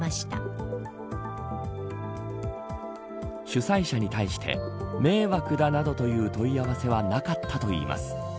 主催者に対して迷惑だなどという問い合わせはなかったといいます。